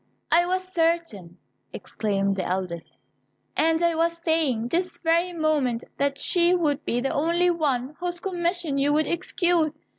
"I was certain," exclaimed the eldest, "and I was saying, this very moment, that she would be the only one whose commission you would execute.